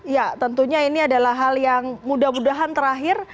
ya tentunya ini adalah hal yang mudah mudahan terakhir